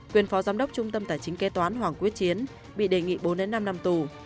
quyền phó giám đốc trung tâm tài chính kế toán hoàng quyết chiến bị đề nghị bốn năm năm tù